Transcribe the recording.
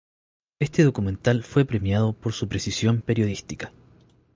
Este documental fue premiado por su precisión periodística.